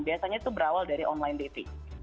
biasanya itu berawal dari online dating